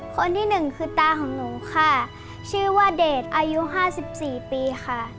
คนที่หนึ่งคือตาของหนูค่ะชื่อว่าเดชอายุ๕๔ปีค่ะ